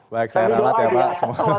baik saya ralat ya pak